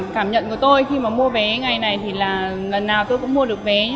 cảm nhận của tôi khi mà mua vé ngày này thì là lần nào tôi cũng mua được vé